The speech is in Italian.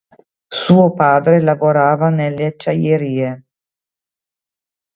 Suo padre lavorava nelle acciaierie.